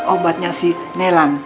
obatnya si nelan